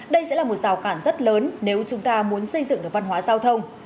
đây sẽ là một rào cản rất lớn nếu chúng ta muốn xây dựng được văn hóa giao thông